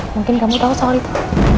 mungkin kamu tahu soal itu